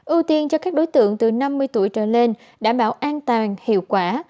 ưu tiên cho các đối tượng từ năm mươi tuổi trở lên đảm bảo an toàn hiệu quả